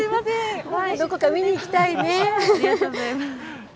どこか見に行きたいね。